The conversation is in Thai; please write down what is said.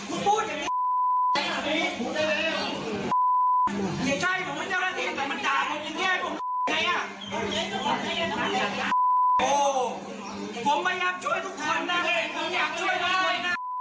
โอ๊ผมไม่ยากช่วยทุกคนน่ะผมไม่อยากช่วยทุกคนน่ะ